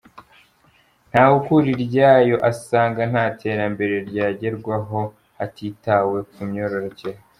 Ntawukuriryayo asanga nta terambere ryagerwaho hatitawe ku myororokere